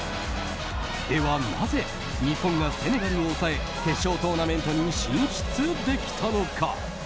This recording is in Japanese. では、なぜ日本がセネガルを抑え決勝トーナメントに進出できたのか。